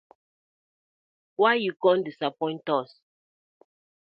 Wai you come us disappoint?